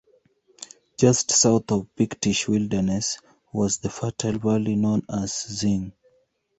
Just south of the Pictish Wilderness was the fertile valley known as "Zing".